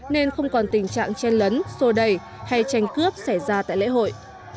nên không còn tình trạng chen lấn sô đẩy hay tranh cướp xảy ra tại lễ hội